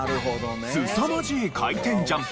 すさまじい回転ジャンプ。